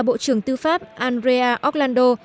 bộ trưởng tư pháp andrea orlando